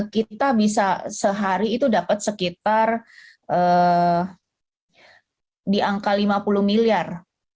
kita bisa sehari itu dapat sekitar di angka lima puluh miliar